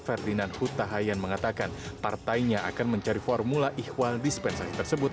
ferdinand huta hayan mengatakan partainya akan mencari formula ihwal dispensasi tersebut